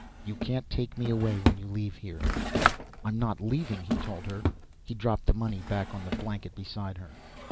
You can't take me away when you leave here." "I'm not leaving," he told her. He dropped the money back on the blanket beside her.